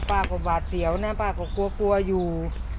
ป้าก็หวาดเสียวนะป้าก็กลัวกลัวอยู่